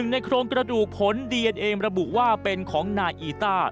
ในโครงกระดูกผลดีเอนเอมระบุว่าเป็นของนายอีต้า